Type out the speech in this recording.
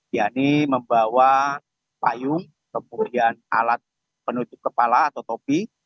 yaitu membawa payung kemudian alat penutup kepala atau topi